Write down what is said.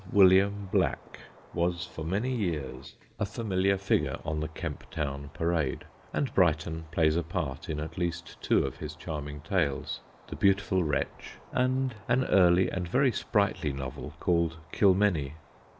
William Black was for many years a familiar figure on the Kemp Town parade, and Brighton plays a part in at least two of his charming tales The Beautiful Wretch, and an early and very sprightly novel called Kilmeny.